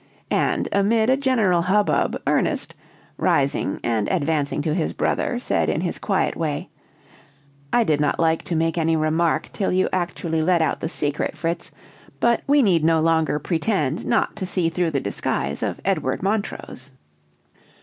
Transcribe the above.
and amid a general hubbub, Ernest, rising and advancing to his brother, said in his quiet way: "I did not like to make any remark till you actually let out the secret, Fritz, but we need no longer pretend not to see through the disguise of Edward Montrose."